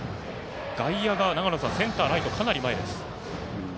外野がセンター、ライトかなり手前です。